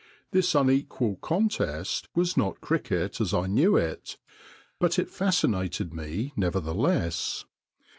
This unequal con test was not cricket as I knew it, but it fascinated me nevertheless.